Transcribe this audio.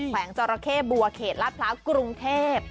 แขวงจรเข้บบัวเขตลาดพระกรุงเทพย์